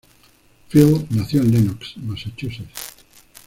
Field nació en Lenox, Massachusetts.